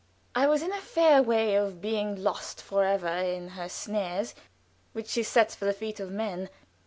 I was in a fair way of being lost forever in her snares, which she sets for the feet of men.